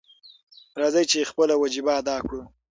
راځئ چې خپله وجیبه ادا کړو.